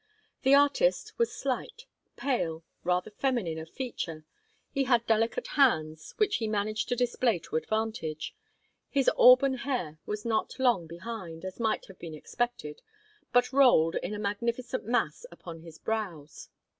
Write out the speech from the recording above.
The artist was slight, pale, rather feminine of feature; he had delicate hands, which he managed to display to advantage; his auburn hair was not long behind, as might have been expected, but rolled in a magnificent mass upon his brows.